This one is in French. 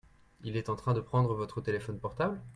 Il est en train de prendre votre téléphone portable ?